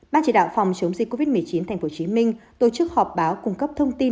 ban chỉ đạo phòng chống dịch covid một mươi chín tp hcm tổ chức họp báo cung cấp thông tin